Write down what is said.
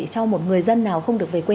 cho một người dân nào không được về quê ăn tết